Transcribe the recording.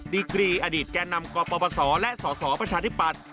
ดีกรีอดีตแก่นำกปปศและสสประชาธิปัตย์